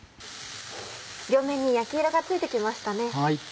両面に焼き色がついてきましたね。